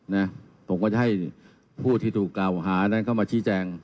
นะผมก็จะให้ผู้ที่ถูกกล่าวหานั้นเข้ามาชี้แจง